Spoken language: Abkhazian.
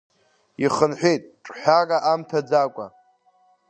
Ихынҳәит ҿҳәара амҭаӡакәа.